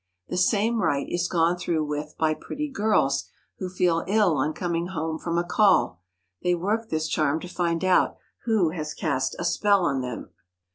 The same rite is gone through with by pretty girls who feel ill on coming home from a call. They work this charm to find out who has cast a spell on them.